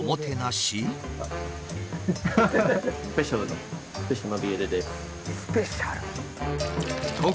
スペシャル。